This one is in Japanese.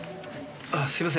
ああすいません。